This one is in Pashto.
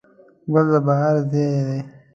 ګل د بهار زېری دی.